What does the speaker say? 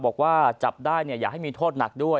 บอกว่าจับได้อยากให้มีโทษหนักด้วย